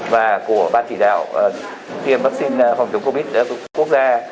và của ban chỉ đạo tiêm vaccine phòng chống covid một mươi chín của quốc gia